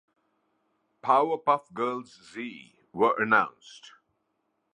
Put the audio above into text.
Powerpuff Girls Z, were announced.